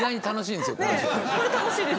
これ楽しいです。